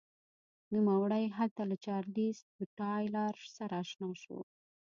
نوموړی هلته له چارلېز ټایلر سره اشنا شو.